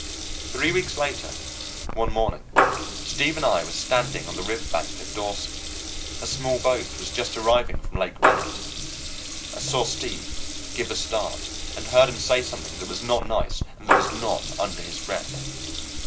Three weeks later, one morning, Steve and I were standing on the river bank at Dawson. A small boat was just arriving from Lake Bennett. I saw Steve give a start, and heard him say something that was not nice and that was not under his breath.